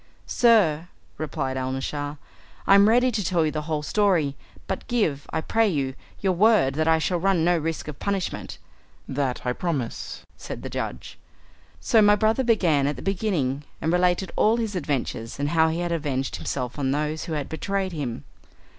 "Sir," replied Alnaschar, "I am ready to tell you the whole story, but give, I pray you, your word, that I shall run no risk of punishment." "That I promise," said the judge. So my brother began at the beginning and related all his adventures, and how he had avenged himself on those who had betrayed him.